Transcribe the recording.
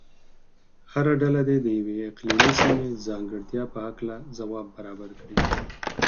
هره ډله دې د یوې اقلیمي سیمې ځانګړتیا په هلکه ځواب برابر کړي.